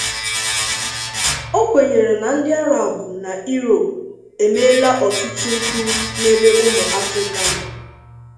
O kwenyere na ndị Arabụ na Iroopu emeela ọtụtụ mpụ n'ebe ụmụ Afrịka nọ.